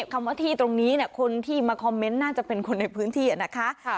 คำว่าที่ตรงนี้คนที่มาคอมเมนต์น่าจะเป็นคนในพื้นที่นะคะ